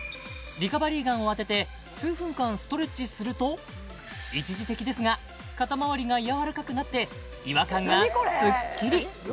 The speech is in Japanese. リカバリーガンを当てて数分間ストレッチすると一時的ですが肩まわりがやわらかくなって違和感がすっきり！